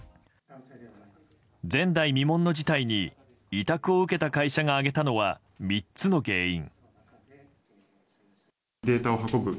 前代未聞の事態に委託を受けた会社が挙げたのは３つの原因。